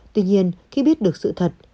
tuy nhiên khi biết được sự thật